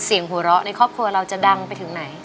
เสียงหัวเราะในครอบครัวเราจะดังไปถึงไหน